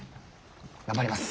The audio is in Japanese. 頑張ります。